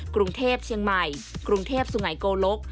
กรุงเทพเชียงใหม่กรุงเทพสุงัยโกลก